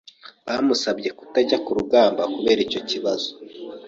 Bamusabye kutajya ku rugamba kubera icyo kibazo.